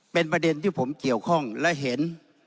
เป็นประเด็นที่ผมเกี่ยวข้องและเห็น